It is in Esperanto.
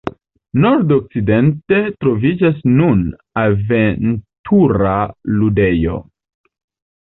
Nordokcidente troviĝas nun "aventura ludejo".